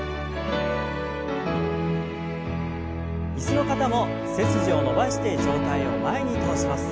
椅子の方も背筋を伸ばして上体を前に倒します。